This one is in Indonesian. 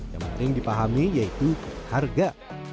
yang penting dipahami yaitu harga